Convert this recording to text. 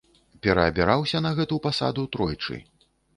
Пераабіраўся на гэту пасаду тройчы.